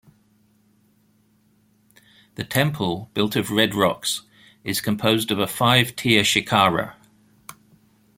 The temple, built of red rocks, is composed of a five tier shikara.